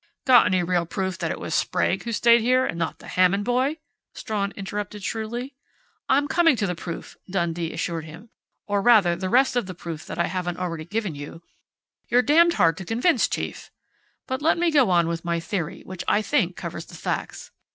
"Got any real proof that it was Sprague who stayed here and not the Hammond boy?" Strawn interrupted shrewdly. "I'm coming to the proof," Dundee assured him, "or rather, the rest of the proof that I haven't already given you. You're damned hard to convince, chief! But let me go on with my theory, which I think covers the facts....